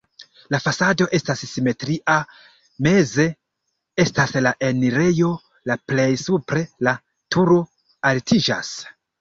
La fasado estas simetria, meze estas la enirejo, la plej supre la turo altiĝas.